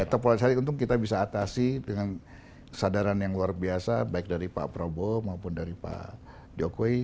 atau polarisasi untung kita bisa atasi dengan kesadaran yang luar biasa baik dari pak prabowo maupun dari pak jokowi